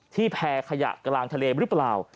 ที่แพ้ขยะกลางทะเลรึเปล่า